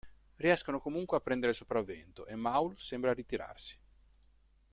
Riescono comunque a prendere il sopravvento e Maul sembra ritirarsi.